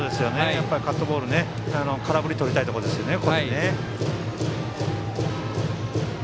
カットボールで空振りとりたいところですよね。